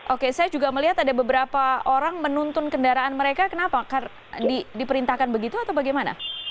oke saya juga melihat ada beberapa orang menuntun kendaraan mereka kenapa diperintahkan begitu atau bagaimana